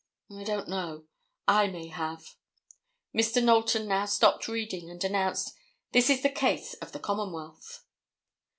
"I don't know. I may have." Mr. Knowlton now stopped reading, and announced: "This is the case of the Commonwealth."